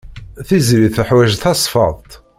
Tiziri teḥwaj tasfeḍt.